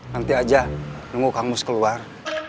nanti aja nunggu kang mus keluar